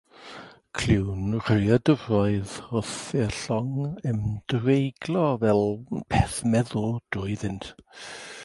Clywn ru'r dyfroedd wrth i'r llong ymdreiglo fel peth meddw drwyddynt.